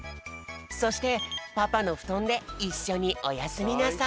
そしてパパのふとんでいっしょにおやすみなさい。